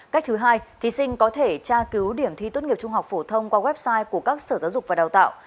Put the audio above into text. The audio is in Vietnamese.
cách thứ hai thí sinh có thể tra cứu điểm thi tốt nghiệp trung học phổ thông qua website của các sở giáo dục và đào tạo